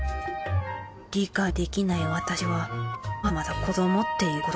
理解できない私はまだまだ子どもっていうこと？